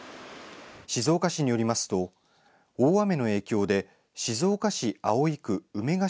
静岡市によりますと大雨の影響で静岡市葵区梅ヶ